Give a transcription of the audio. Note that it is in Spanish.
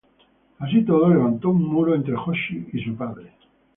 Así todo, levantó un muro entre Jochi y su padre.